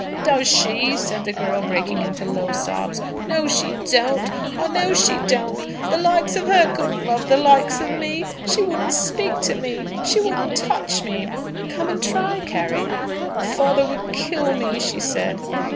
"Does she?" said the girl, breaking into low sobs. "No, she don't. I know she don't. The likes of her couldn't love the likes of me. She wouldn't speak to me. She wouldn't touch me." "Come and try, Carry." "Father would kill me," she said.